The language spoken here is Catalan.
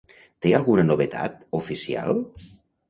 Té alguna novetat, oficial?